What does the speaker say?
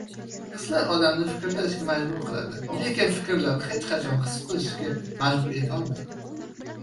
Hislar odamni fikrlashga majbur qiladi, lekin fikrlar hech qachon his qilishga majbur etolmaydi.